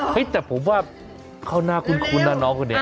เฮ้ยแต่ผมว่าเขาน่าคุ้นคุ้นนะน้องคุณเน็ต